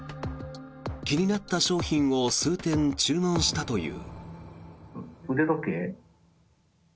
気になった商品を数点注文したという。